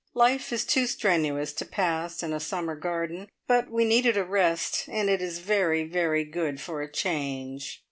Life is too strenuous to pass in a summer garden; but we needed a rest and it is very, very good for a change.